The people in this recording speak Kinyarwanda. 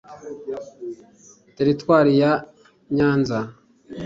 Teritwari ya Nyanza